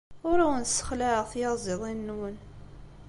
Ur awen-ssexlaɛeɣ tiyaziḍin-nwen.